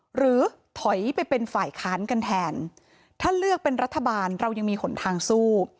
หรือถอยไปเป็นฝ่ายค้านกันแทนถ้าเลือกเป็นรัฐบาลเรายังมีหนทางสู้